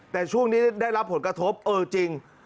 แต่ช่วงนี้ได้รับผลกระทบเออจริง